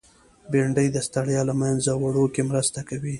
بېنډۍ د ستړیا له منځه وړو کې مرسته کوي